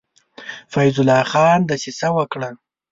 فیض الله خان دسیسه وکړه.